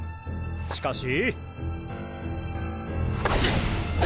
しかし。